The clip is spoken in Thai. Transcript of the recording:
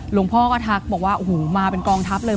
หลวงพ่อก็ทักบอกว่าโอ้โหมาเป็นกองทัพเลย